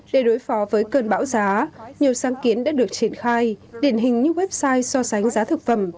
để đối phó với cơn bão giá nhiều sáng kiến đã được triển khai điển hình như website so sánh giá thực phẩm